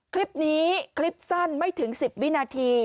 คลิปนี้คลิปสั้นไม่ถึง๑๐วินาที